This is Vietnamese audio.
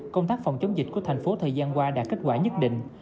công tác phòng chống dịch của thành phố thời gian qua đã kết quả nhất định